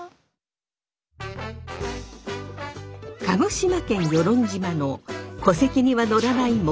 鹿児島県与論島の戸籍には載らない